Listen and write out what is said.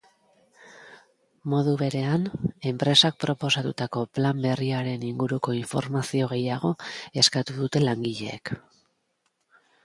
Modu berean, enpresak proposatutako plan berriaren inguruko informazio gehiago eskatu dute langileek.